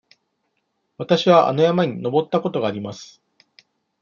わたしはあの山に登ったことがあります。